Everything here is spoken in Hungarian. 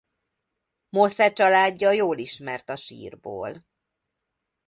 Mosze családja jól ismert a sírból.